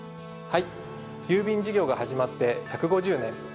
はい郵便事業が始まって１５０年。